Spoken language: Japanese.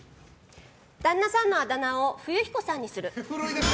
旦那さんのあだ名を冬彦さんにする。